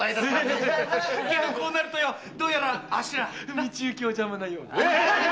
こうなるとどうやらあっしら道行きお邪魔なようで。